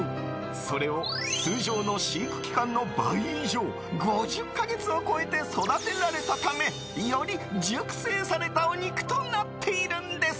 それを通常の飼育期間の倍以上５０か月を超えて育てられたためより熟成されたお肉となっているんです。